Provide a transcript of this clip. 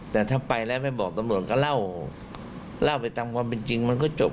แต่ถ้าไปแล้วไม่บอกตำรวจก็เล่าเล่าไปตามความเป็นจริงมันก็จบ